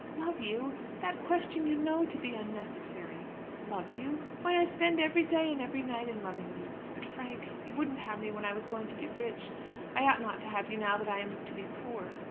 "Love you! That question you know to be unnecessary. Love you! Why I spend every day and every night in loving you! But, Frank, you wouldn't have me when I was going to be rich. I ought not to have you now that I am to be poor."